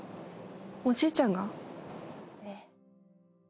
おじいちゃんが？